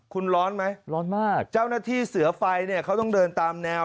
คุณร้อนไหมร้อนมากเจ้าหน้าที่เสือไฟเนี่ยเขาต้องเดินตามแนว